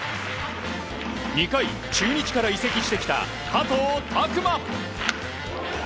２回、中日から移籍してきた加藤匠馬。